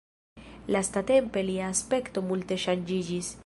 Lastatempe lia aspekto multe ŝanĝiĝis.